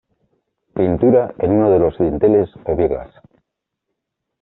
Pintura en uno de los dinteles o vigas.